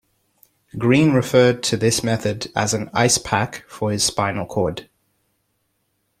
Green referred to this method as an ice-pack for his spinal cord.